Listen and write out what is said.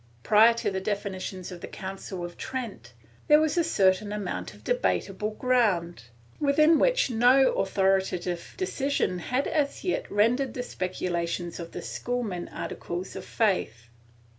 Prior to the definitions of the Council of Trent, there was a certain amount of debatable ground, within which no authoritative decision had as yet rendered the speculations of the schoolmen articles of faith.